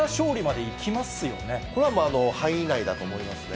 これは範囲内だと思いますね。